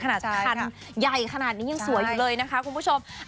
ขนาดคันใหญ่ขนาดนี้ยังสวยอยู่เลยนะคะคุณผู้ชม